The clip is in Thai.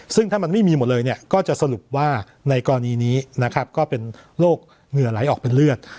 ซึ่งถ้ามันไม่มีหมดเลยเนี่ยก็จะสรุปว่าในกรณีนี้นะครับก็เป็นโรคเหงื่อไหลออกเป็นเลือด